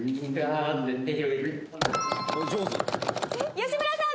吉村さん。